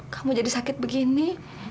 kamu jadi sakit begini